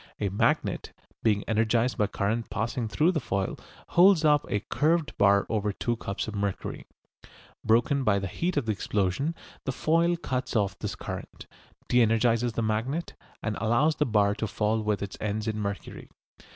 A magnet, being energised by current passing through the foil, holds up a curved bar over two cups of mercury. Broken by the heat of the explosion, the foil cuts off this current, de energises the magnet, and allows the bar to fall with its ends in the mercury.